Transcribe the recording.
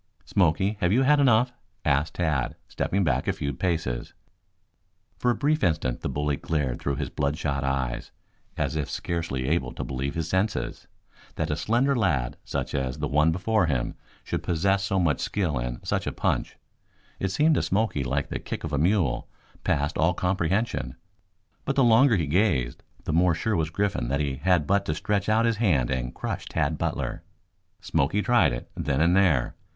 "Smoky, have you had enough?" asked Tad, stepping back a few paces. For a brief instant the bully glared through his bloodshot eyes, as if scarcely able to believe his senses. That a slender lad, such as the one before him, should possess so much skill and such a punch it seemed to Smoky like the kick of a mule passed all comprehension. But the longer he gazed the more sure was Griffin that he had but to stretch out his hand and crush Tad Butler. Smoky tried it then and there.